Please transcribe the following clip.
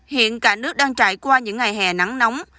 hiện cả nước đang trải qua những ngày hè nắng nóng